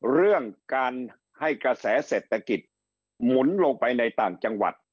เรื่องการให้กระแสเศรษฐกิจหมุนลงไปในต่างจังหวัด